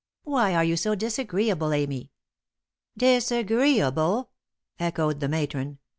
"Why are you so disagreeable, Amy?" "Disagreeable?" echoed the matron.